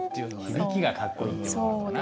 響きがかっこいいって事かな。